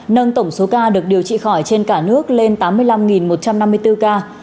nâng tổng số ca được điều trị khỏi trên cả nước lên tám mươi năm một trăm năm mươi bốn ca